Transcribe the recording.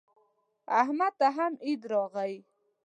احمد ته هم عید راغی.